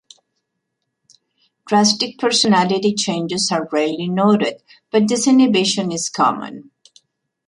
Drastic personality changes are rarely noted, but disinhibition is common.